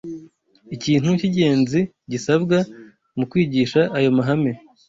Ikintu cy’ingenzi gisabwa mu kwigisha ayo mahame